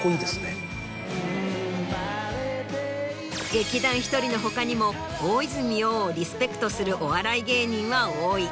劇団ひとりの他にも大泉洋をリスペクトするお笑い芸人は多い。